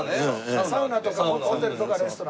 サウナとかホテルとかレストランとか。